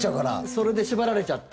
それで縛られちゃって。